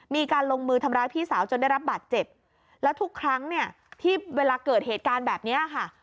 มีการลงมือทำร้ายพี่สาวจนได้รับบาดเจ็บแล้วทุกครั้งเนี่ยที่เวลาเกิดเหตุการณ์แบบนี้ค่ะ